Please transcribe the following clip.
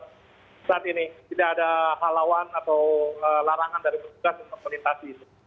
jadi saat ini tidak ada halauan atau larangan dari petugas untuk melintasi itu